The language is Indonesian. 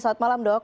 selamat malam dok